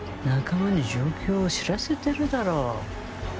仲間に状況を知らせてるだろ。